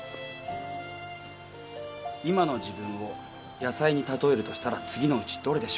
今の自分を野菜に例えるとしたら次のうちどれでしょう？